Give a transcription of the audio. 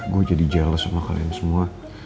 gue jadi jeles sama kalian semua